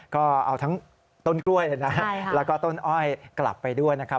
ก็เอาทั้งต้นกล้วยเลยนะแล้วก็ต้นอ้อยกลับไปด้วยนะครับ